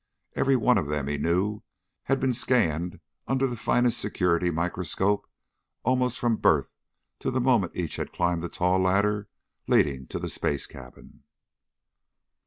Everyone of them, he knew, had been scanned under the finest security microscope almost from birth to the moment each had climbed the tall ladder leading to the space cabin.